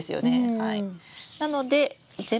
はい。